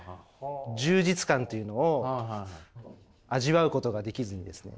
充実感というのを味わうことができずにですね